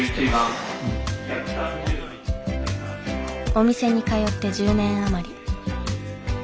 お店に通って１０年余り。